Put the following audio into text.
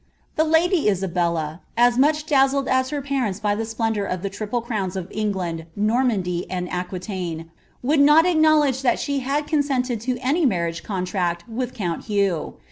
The lady Isabella, as much dazzled as her parents by the splndw of the triple crowns of England, Normandy, and Aquitatae, wcnilil >dI acknowledge that she had consented lo any maniiM^ coatrvct v^ count Hugh.